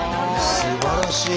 すばらしい！